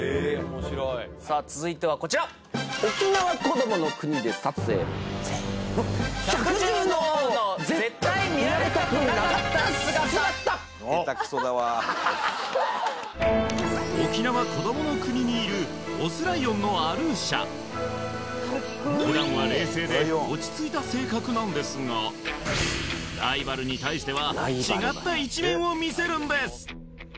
面白いさあ続いてはこちら沖縄こどもの国で撮影せーの百獣の王の絶対見られたくなかった姿沖縄こどもの国にいるオスライオンのアルーシャ普段は冷静で落ち着いた性格なんですがライバルに対しては違った一面を見せるんです